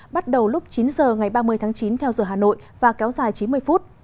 bắt đầu lúc chín giờ ngày ba mươi tháng chín theo giờ hà nội và kéo dài chín mươi phút